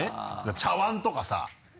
茶わんとかさ。